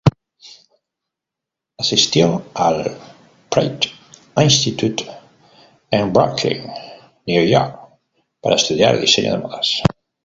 Asistió al Pratt Institute en Brooklyn, New York para estudiar diseño de Modas.